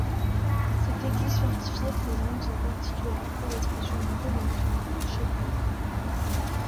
Cette église fortifiée présente la particularité d'être surmontée d'un clocher tors.